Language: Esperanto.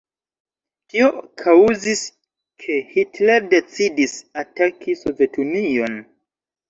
Tio kaŭzis ke Hitler decidis ataki Sovetunion.